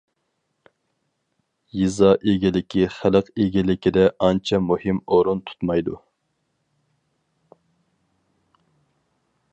يېزا ئىگىلىكى خەلق ئىگىلىكىدە ئانچە مۇھىم ئورۇن تۇتمايدۇ.